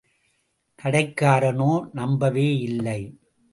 கடைக்காரனோ நம்பவே இல்லை.